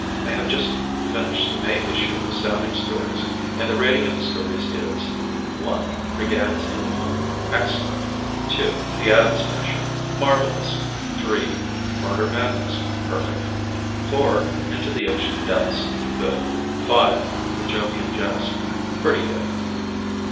I have just finished the May issue of Astounding Stories and the rating of the stories is: 1 "Brigands of the Moon" Excellent! 2 "The Atom Smasher" Marvelous! 3 "Murder Madness" Perfect. 4 "Into the Ocean's Depths" Good. 5 "The Jovian Jest" Pretty Good.